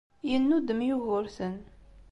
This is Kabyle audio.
Yennudem Yugurten.